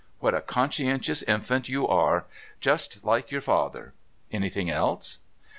What a conscientious infant you are. Just like your father. Anything else?"